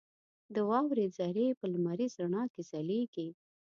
• د واورې ذرې په لمریز رڼا کې ځلېږي.